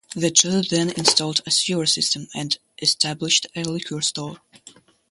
The two then installed a sewer system and established a liquor store.